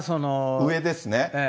上ですね。